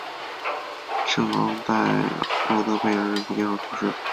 圣昂代奥德贝尔人口变化图示